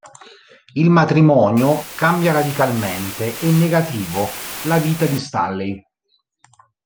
Il matrimonio cambia radicalmente, e in negativo, la vita di Stanley.